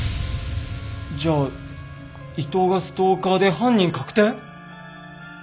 じゃあ伊藤がストーカーで犯人確定？